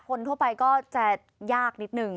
คนทั่วไปก็จะยากนิดนึง